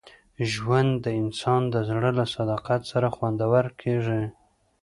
ژوند د انسان د زړه له صداقت سره خوندور کېږي.